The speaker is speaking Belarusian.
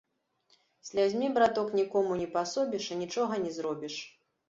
Слязьмі, браток, нікому не пасобіш і нічога не зробіш.